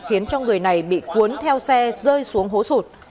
khiến cho người này bị cuốn theo xe rơi xuống hố sụt